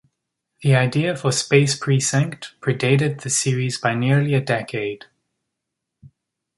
The idea for "Space Precinct" predated the series by nearly a decade.